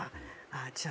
じゃあ